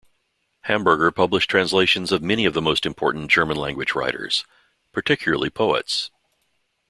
Hamburger published translations of many of the most important German-language writers, particularly poets.